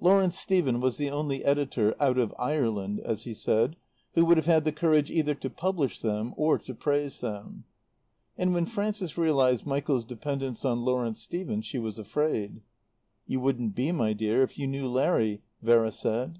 Lawrence Stephen was the only editor "out of Ireland," as he said, who would have had the courage either to publish them or to praise them. And when Frances realized Michael's dependence on Lawrence Stephen she was afraid. "You wouldn't be, my dear, if you knew Larry," Vera said.